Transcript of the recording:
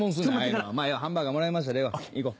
まぁハンバーガーもらいましたでええわ行こう。